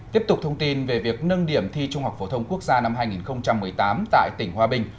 tiếp tục thông tin về việc nâng điểm thi trung học phổ thông quốc gia năm hai nghìn một mươi tám tại tỉnh hòa bình